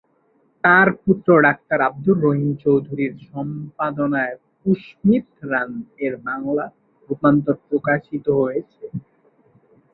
তার পুত্র ডাক্তার আব্দুর রহিম চৌধুরীর সম্পাদনায় "উম্মিতরান"-এর বাংলা রূপান্তর প্রকাশিত হয়েছে।